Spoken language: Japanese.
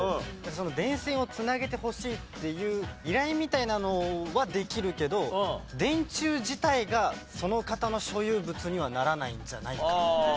その電線を繋げてほしいっていう依頼みたいなのはできるけど電柱自体がその方の所有物にはならないんじゃないかな。